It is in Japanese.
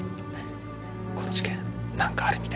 この事件何かあるみたいです。